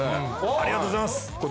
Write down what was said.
ありがとうございます。